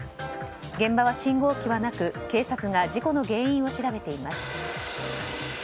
現場は信号機はなく警察が事故の原因を調べています。